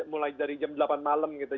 mulai dari jam delapan malam gitu